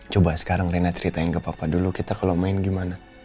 coba sekarang rina ceritain ke papa dulu kita kalau main gimana